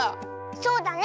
そうだね